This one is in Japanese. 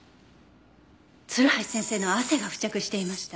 鶴橋先生の汗が付着していました。